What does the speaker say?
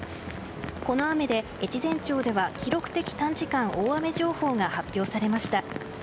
この雨で越前町では記録的短時間大雨情報が発表されました。